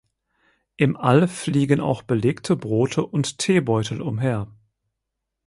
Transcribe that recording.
Im All fliegen auch belegte Brote und Teebeutel umher.